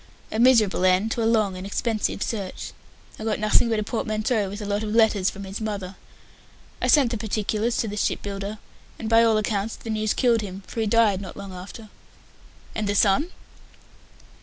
A miserable end to a long and expensive search. I got nothing but a portmanteau with a lot of letters from his mother. I sent the particulars to the ship builder, and by all accounts the news killed him, for he died not long after." "And the son?"